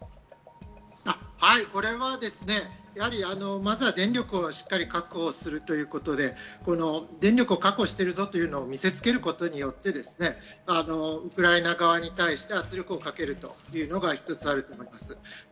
これはですね、まずは電力をしっかり確保するということで、電力を確保しているぞというのを見せつけることによってウクライナ側に対して圧力をかけるというのが一つあると思います。